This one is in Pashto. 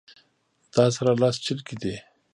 تاسره لس چرګې دي